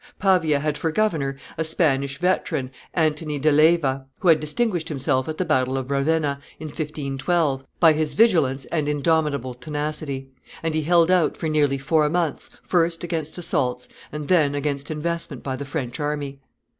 Pavia had for governor a Spanish veteran, Antony de Leyva, who had distinguished himself at the battle of Ravenna, in 1512, by his vigilance and indomitable tenacity: and he held out for nearly four months, first against assaults, and then against investment by the French army.